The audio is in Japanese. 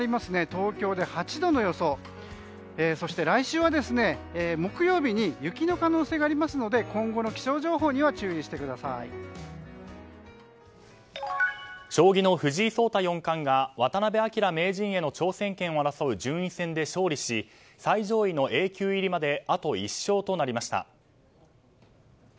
来週は木曜日に雪の可能性がありますので今後の気象情報には将棋の藤井聡太四冠が渡辺明名人への挑戦権を争う順位戦で勝利し最上位のＡ級入りまであと１勝となりました。